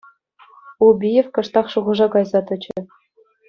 Убиев кӑштах шухӑша кайса тӑчӗ.